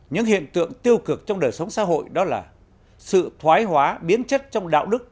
những hiện tượng tiêu cực trong đời sống xã hội đó là sự thoái hóa biến chất trong đạo đức